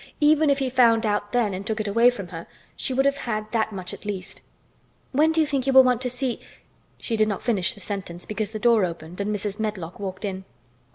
Even if he found out then and took it away from her she would have had that much at least. "When do you think he will want to see—" She did not finish the sentence, because the door opened, and Mrs. Medlock walked in.